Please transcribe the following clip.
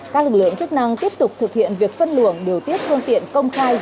các lực lượng chức năng tiếp tục thực hiện việc phân luồng điều tiết phương tiện công khai